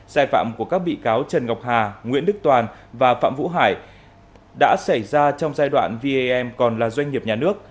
sai phạm của các bị cáo trần ngọc hà nguyễn đức toàn và phạm vũ hải đã xảy ra trong giai đoạn vam còn là doanh nghiệp nhà nước